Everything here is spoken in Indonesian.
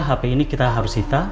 handphone ini kita harus hitah